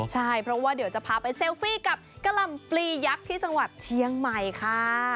ใช่เพราะว่าเดี๋ยวจะพาไปเซลฟี่กับกะหล่ำปลียักษ์ที่จังหวัดเชียงใหม่ค่ะ